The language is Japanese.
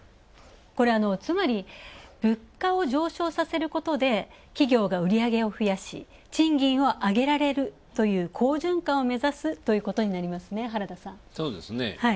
これつまり、物価を上昇させることで企業が売り上げを増やし、賃金をあげられるという好循環を目指すということになりますね、原田さん。